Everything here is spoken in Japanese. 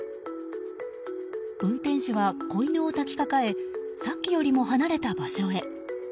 運転手は子犬を抱きかかえさっきよりも離れた場所へ。